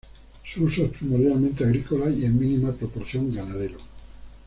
Su uso es primordialmente agrícola y en mínima proporción ganadero.